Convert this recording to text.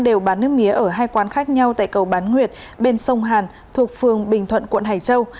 đều bán nước mía ở hai quán khác nhau tại cầu bán nguyệt bên sông hàn thuộc phường bình thuận quận hải châu